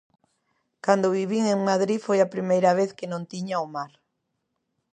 Cando vivín en Madrid foi a primeira vez que non tiña o mar.